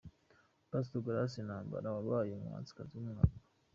Pastor Grace Ntambara wabaye umuhanzikazi w'umwaka.